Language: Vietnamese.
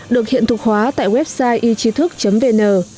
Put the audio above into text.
được hiện thuộc hóa tại website ytríthức vn